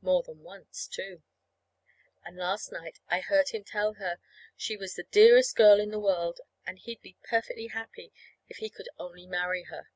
More than once, too. And last night I heard him tell her she was the dearest girl in all the world, and he'd be perfectly happy if he could only marry her.